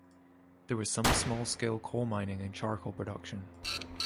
There was some small scale coal mining and charcoal production.